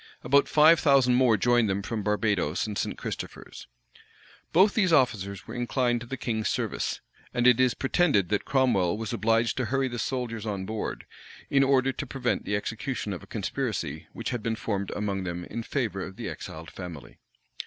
About five thousand more joined them from Barbadoes and St. Christopher's. Both these officers were inclined to the king's service;[*] and it is pretended that Cromwell was obliged to hurry the soldiers on board, in order to prevent the execution of a conspiracy which had been formed among them in favor of the exiled family.